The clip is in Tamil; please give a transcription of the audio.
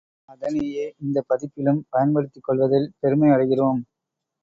அதனையே இந்தப் பதிப்பிலும் பயன்படுத்திக் கொள்வதில் பெருமை அடைகிறோம்.